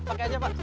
pakai aja pak